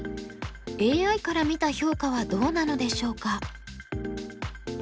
ＡＩから見た評価はどうなのでしょうか？